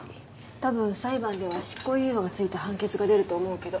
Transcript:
多分裁判では執行猶予がついた判決が出ると思うけど。